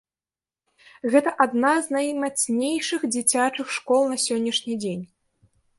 Гэта адна з наймацнейшых дзіцячых школ на сённяшні дзень.